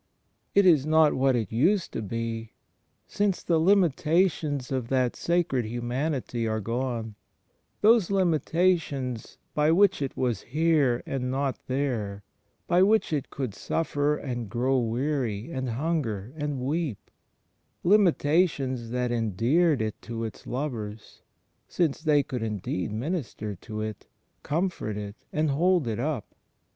It is not what it CHRIST IN mS HISTORICAL LIFE 163 used to be, since the limitations of that Sacred Human ity are gone — those limitations by which It was here and not there; by which It could suffer and grow weary and himger and weep — limitations that endeared It to Its lovers, since they could indeed minister to It, com fort It, and hold It up.